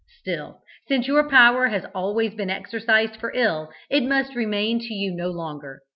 Still, since your power has been always exercised for ill, it must remain to you no longer.